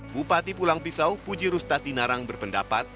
bupati pulang pisau puji rustad dinarang berpendapat